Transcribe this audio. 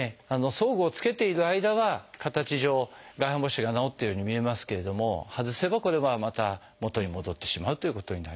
装具を着けている間は形上外反母趾が治ったように見えますけれども外せばこれはまた元に戻ってしまうということになります。